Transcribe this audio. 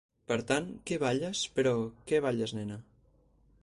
Per tant: que balles?, però ¿que balles, nena?.